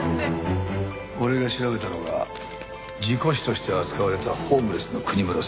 俺が調べたのが事故死として扱われたホームレスの国村誠司。